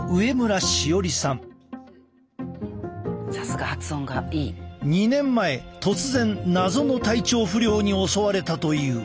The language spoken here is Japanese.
こちらは２年前突然謎の体調不良に襲われたという。